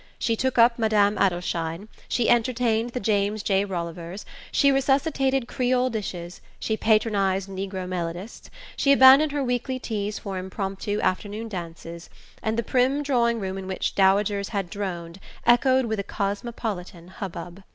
She took up Madame Adelschein, she entertained the James J. Rollivers, she resuscitated Creole dishes, she patronized negro melodists, she abandoned her weekly teas for impromptu afternoon dances, and the prim drawing room in which dowagers had droned echoed with a cosmopolitan hubbub.